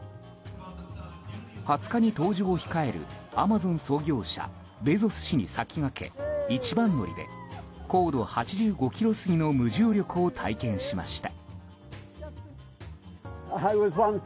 ２０日に搭乗を控えるアマゾン創業者ベゾス氏に先駆け一番乗りで高度８５ｋｍ過ぎの無重力を体験しました。